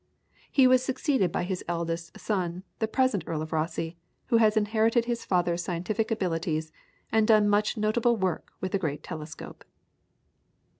He was succeeded by his eldest son, the present Earl of Rosse, who has inherited his father's scientific abilities, and done much notable work with the great telescope.